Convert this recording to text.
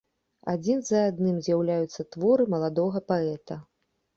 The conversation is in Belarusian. Адзін за адным з'яўляюцца творы маладога паэта.